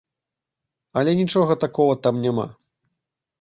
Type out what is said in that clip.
Але нічога такога там няма.